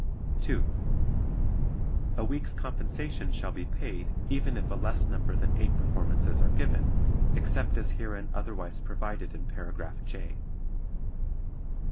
(2) A week's compensation shall be paid even if a less number than eight performances are given, except as herein otherwise provided in Paragraph J.